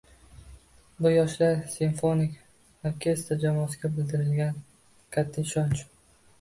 Bu - “Yoshlar simfonik orkestri” jamoasiga bildirilgan katta ishonch...